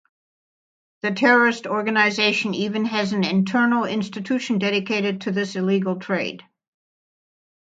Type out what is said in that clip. The terrorist organization even has an internal institution dedicated to this illegal trade.